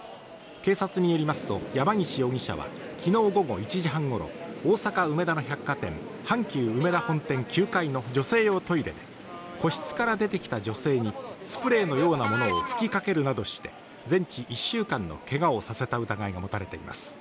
警察によりますと、山岸容疑者は昨日午後１時半ごろ、大阪・梅田の百貨店阪急うめだ本店９階の女性用トイレで個室から出てきた女性にスプレーのようなものを吹きかけるなどして、全治１週間のけがをさせた疑いが持たれています。